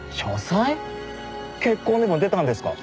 血痕でも出たんですか？